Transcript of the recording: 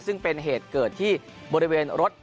ซึ่งเป็นเหตุเกิดที่บริเวณรถ